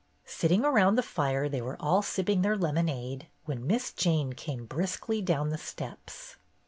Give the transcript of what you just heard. Sitting around the fire, they were all sipping their lemonade when Miss Jane came briskly down the steps.